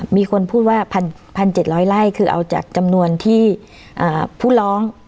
มีคนพูดว่า๑๗๐๐ไร่คือเอาจากจำนวนที่ผู้ร้อง